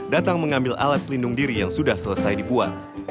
datang mengambil alat pelindung diri yang sudah selesai dibuat